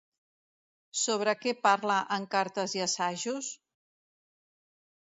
Sobre què parla en cartes i assajos?